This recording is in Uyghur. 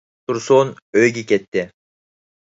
تۇرسۇن ئۆيىگە كەتتى.